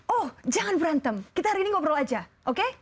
oh jangan berantem kita hari ini ngobrol aja oke